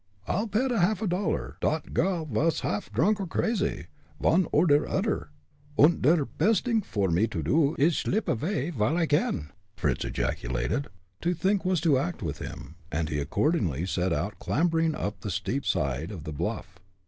"I'll pet a half dollar dot gal vas drunk or crazy, von or der odder, und der pest t'ing vor me to do is shlip avay vile I can!" Fritz ejaculated. To think was to act with him, and he accordingly set out clambering up the steep side of the bluff.